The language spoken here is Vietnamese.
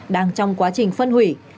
đang trong quá trình phân hủy